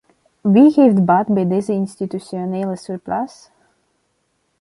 Wie heeft baat bij deze institutionele surplace?